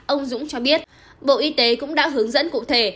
ông dũng cho biết bộ y tế cũng đã hướng dẫn cụ thể